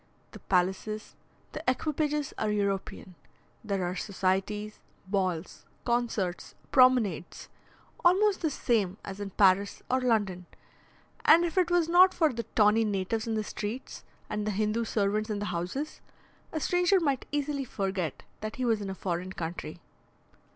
The palaces, the equipages are European; there are societies, balls, concerts, promenades, almost the same as in Paris or London; and if it was not for the tawny natives in the streets, and the Hindoo servants in the houses, a stranger might easily forget that he was in a foreign country.